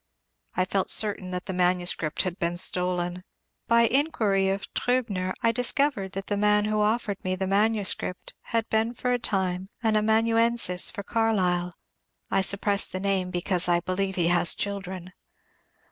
I felt certain that the manuscript had been stolen. By inquiry of Triibner I discovered that the man who offered me the manuscript had been for a time an amanuensis for Carlyle. (I suppress the name because I believe he has children.)